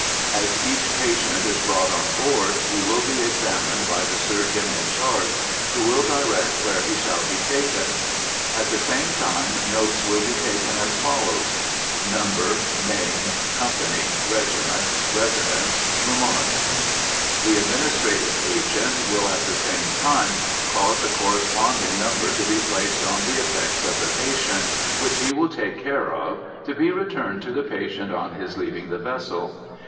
As each patient is brought on board, he will be examined by the surgeon in charge, who will direct where he shall be taken; at the same time notes will be taken, as follows:— Number, Name, Company, Regiment, Residence, Remarks. The administrative agent will, at the same time, cause a corresponding number to be placed on the effects of the patient, which he will take care of, to be returned to the patient on his leaving the vessel.